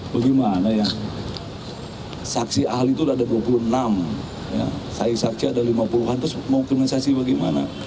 bagaimana ya saksi ahli itu ada dua puluh enam saksi ada lima puluh an terus mau kriminalisasi bagaimana